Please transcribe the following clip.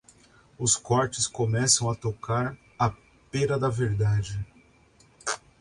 Os cortes começam a tocar a pêra da verdade.